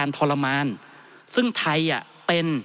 ท่านประธานครับนี่คือสิ่งที่สุดท้ายของท่านครับ